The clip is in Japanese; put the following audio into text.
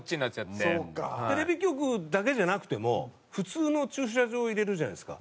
テレビ局だけじゃなくても普通の駐車場入れるじゃないですか。